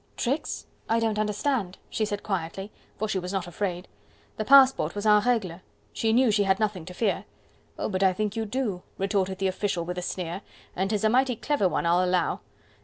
"Tricks? I don't understand!" she said quietly, for she was not afraid. The passport was en regle: she knew she had nothing to fear. "Oh! but I think you do!" retorted the official with a sneer, "and 'tis a mighty clever one, I'll allow.